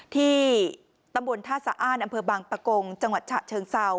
ที่ับบนท่าสระอ้านอำเภอบางประกงจังหวัดชะเชิงเซา